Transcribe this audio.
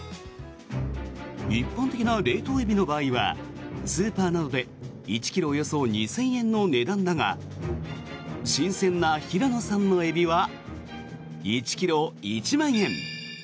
一般的な冷凍エビの場合はスーパーなどで１ｋｇおよそ２０００円の値段だが新鮮な平野さんのエビは１ｋｇ１万円。